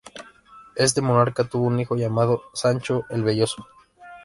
Este monarca tuvo un hijo llamado Sancho "El velloso".